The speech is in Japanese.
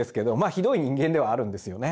ひどい人間ではあるんですよね。